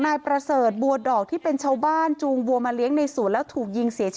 นายประเสริฐบัวดอกที่เป็นชาวบ้านจุงบัวมาเลี้ยงในสุดแล้วถูกยิง